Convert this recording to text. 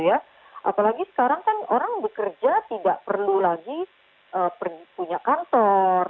apalagi sekarang kan orang bekerja tidak perlu lagi punya kantor